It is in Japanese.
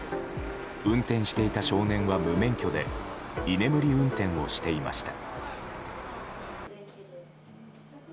運転していた少年は無免許で居眠り運転をしていました。